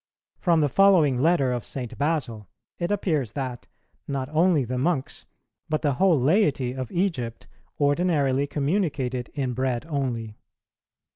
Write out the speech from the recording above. From the following Letter of St. Basil, it appears that, not only the monks, but the whole laity of Egypt ordinarily communicated in Bread only.